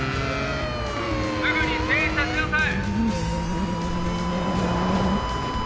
「すぐに停車しなさい！」